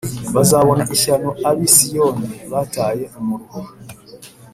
Bazabona ishyano ab’i Siyoni bataye umuruho